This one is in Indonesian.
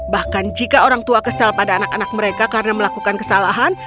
bahkan jika orang tua kesal pada anak anak mereka karena melakukan kesalahan